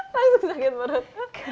langsung sakit perut